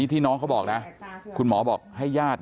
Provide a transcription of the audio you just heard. พี่สาวของเธอบอกว่ามันเกิดอะไรขึ้นกับพี่สาวของเธอ